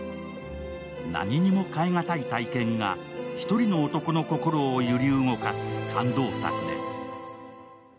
何にも変えがたい体験が１人の男の心を揺り動かす感動作です。